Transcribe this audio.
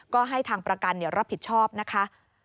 ก็ให้ทางประกันรับผิดชอบนะคะ